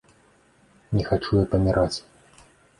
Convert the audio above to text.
Не хачу я паміраць.